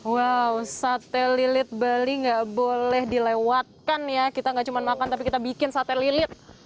wow sate lilit bali nggak boleh dilewatkan ya kita nggak cuma makan tapi kita bikin sate lilit